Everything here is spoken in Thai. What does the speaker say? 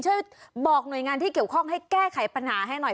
ช่วยบอกหน่วยงานที่เกี่ยวข้องให้แก้ไขปัญหาให้หน่อย